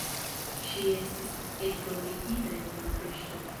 Ŝi estis entombigita en Budapeŝto.